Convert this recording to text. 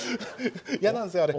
嫌なんですよあれ。